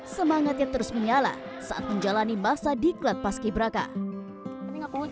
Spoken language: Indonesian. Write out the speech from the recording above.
semangatnya terus menyala saat menjalani masa di klat paski berangka